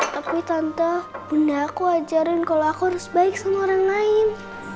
tapi tante bunda aku ajaran kalau aku harus baik sama orang lain